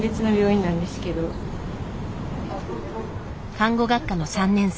看護学科の３年生。